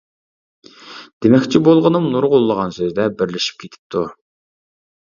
دېمەكچى بولغىنىم نۇرغۇنلىغان سۆزلەر بىرلىشىپ كېتىپتۇ.